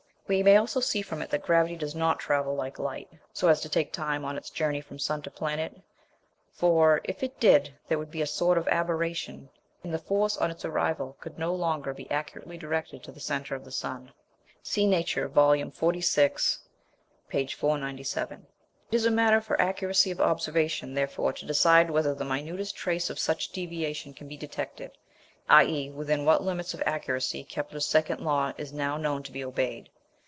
We may also see from it that gravity does not travel like light, so as to take time on its journey from sun to planet; for, if it did, there would be a sort of aberration, and the force on its arrival could no longer be accurately directed to the centre of the sun. (See Nature, vol. xlvi., p. 497.) It is a matter for accuracy of observation, therefore, to decide whether the minutest trace of such deviation can be detected, i.e. within what limits of accuracy Kepler's second law is now known to be obeyed.